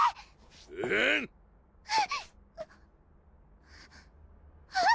あん⁉あっ！